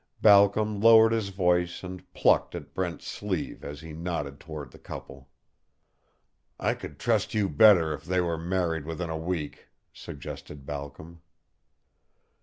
Balcom lowered his voice and plucked at Brent's sleeve as he nodded toward the couple. "I could trust you better if they were married within a week," suggested Balcom.